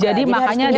jadi makanya di butuh